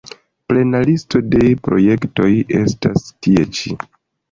Plena listo de projektoj estas tie ĉi.